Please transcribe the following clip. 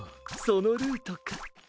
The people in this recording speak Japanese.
そのルートか。